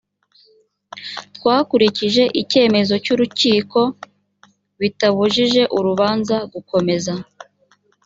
twakurikije icyemezo cy’urukiko bitabujije urubanza gukomeza